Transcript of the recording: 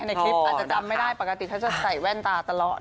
ในคลิปอาจจะจำไม่ได้ปกติเขาจะใส่แว่นตาตลอด